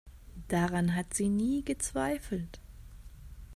Daran hat sie nie gezweifelt.